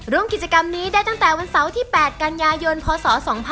ร่วมกิจกรรมนี้ได้ตั้งแต่วันเสาร์ที่๘กันยายนพศ๒๕๖๒